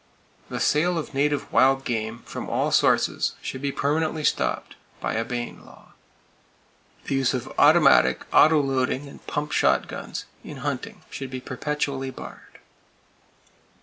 The sale of native wild game, from all sources, should be permanently stopped, by a Bayne law. The use of automatic, "autoloading" and pump shot guns in hunting should be perpetually barred.